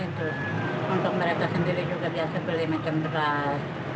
untuk mereka sendiri juga biasa beli macam beras